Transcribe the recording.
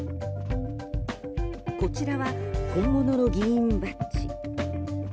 こちらは本物の議員バッジ。